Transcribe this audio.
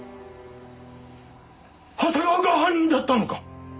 長谷川が犯人だったのか！？